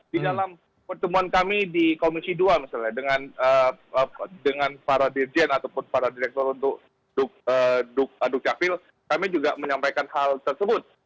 di dalam pertemuan kami di komisi dua misalnya dengan para dirjen ataupun para direktur untuk dukcapil kami juga menyampaikan hal tersebut